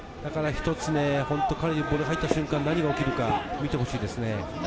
彼にボールが入った瞬間、何が起きるか見てほしいです。